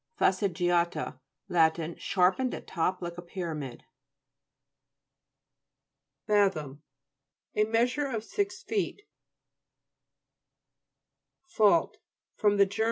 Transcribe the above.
FASTIGIA'TA Lat. Sharpened at top like a pyramid. FATHOM A measure of six feet. FAULT fr. ger.